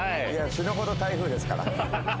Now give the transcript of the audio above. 死ぬほど台風ですから。